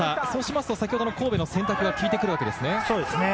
そうしますと神戸の選択が効いてくるわけですね。